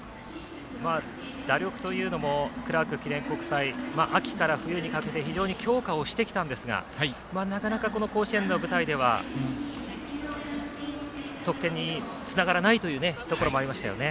打力というのもクラーク記念国際秋から冬にかけて非常に強化をしてきたんですがなかなか、この甲子園の舞台では得点につながらないというところもありましたよね。